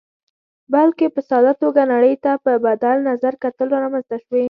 بلکې په ساده توګه نړۍ ته په بدل نظر کتلو رامنځته شوې.